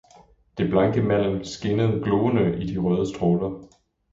det blanke malm skinnede gloende i de røde stråler.